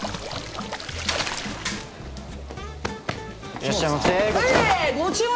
いらっしゃいませご注文。